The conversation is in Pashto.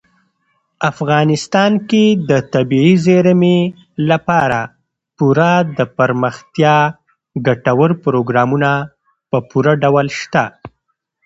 افغانستان کې د طبیعي زیرمې لپاره پوره دپرمختیا ګټور پروګرامونه په پوره ډول شته.